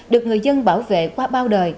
được người dân bảo vệ qua bao đời